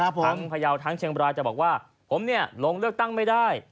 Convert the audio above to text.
พยาวทั้งเชียงบรายจะบอกว่าผมลงเลือกตั้งไม่ได้